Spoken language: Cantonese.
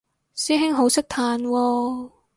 師兄好識嘆喎